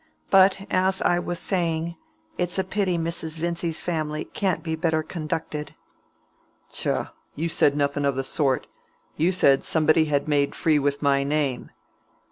But, as I was saying, it's a pity Mrs. Vincy's family can't be better conducted." "Tchah! you said nothing o' the sort. You said somebody had made free with my name."